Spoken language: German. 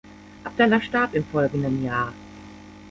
Abdallah starb im folgenden Jahr.